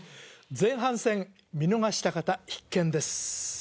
前半戦見逃した方必見です